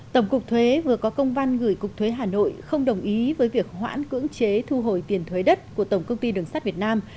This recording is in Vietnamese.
tổng cục thuế vừa có công văn gửi cục thuế hà nội không đồng ý với việc hoãn cưỡng chế thu hồi tiền thuế đất của tổng công ty đường sắt việt nam